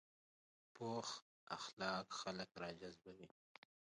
پوخ اخلاق خلک راجذبوي